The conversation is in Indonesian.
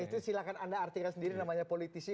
itu silahkan anda artikan sendiri namanya politisi